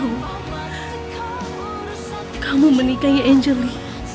kamu menikahi angel li